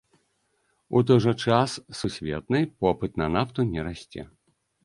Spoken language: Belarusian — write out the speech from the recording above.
У той жа час, сусветнай попыт на нафту не расце.